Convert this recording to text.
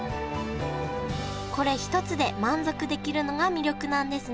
これ一つで満足できるのが魅力なんですね